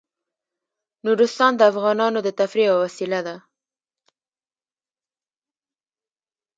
نورستان د افغانانو د تفریح یوه وسیله ده.